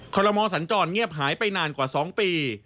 ลมอสัญจรเงียบหายไปนานกว่า๒ปี